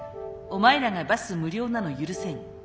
「お前らがバス無料なの許せん」。